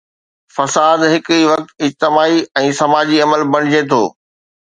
فساد هڪ ئي وقت اجتماعي ۽ سماجي عمل بڻجي ٿو.